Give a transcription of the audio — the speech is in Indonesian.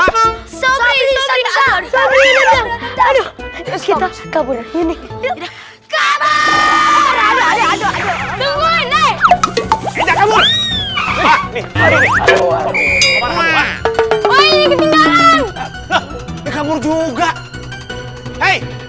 tapi pada misternya saya nyusruk kebak sampah